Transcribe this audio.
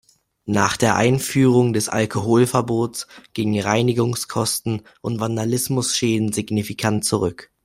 Nach der Einführung des Alkoholverbots gingen Reinigungskosten und Vandalismusschäden signifikant zurück.